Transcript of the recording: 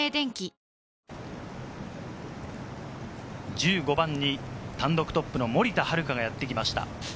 １５番に単独トップの森田遥がやってきました。